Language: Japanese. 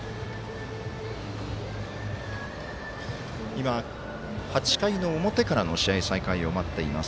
今、８回の表からの試合再開を待っています。